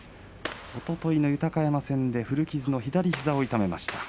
おとといの豊山戦で古傷の左膝を痛めました。